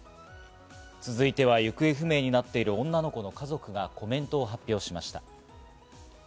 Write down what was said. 続いては行方不明になっている女の子の家族がコメントを発表しました。